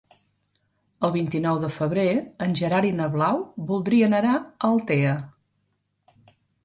El vint-i-nou de febrer en Gerard i na Blau voldrien anar a Altea.